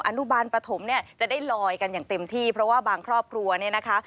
อนุบาลปฐมเนี่ยจะได้ลอยกันอย่างเต็มที่เพราะว่าบางครอบครัวเนี่ยนะคะ